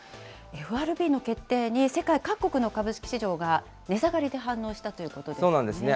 ＦＲＢの決定に、世界各国の株式市場が値下がりで反応したということですね。